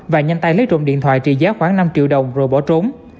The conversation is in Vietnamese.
và nhanh tay lấy trộm điện thoại trị giá khoảng năm triệu đồng rồi bỏ trốn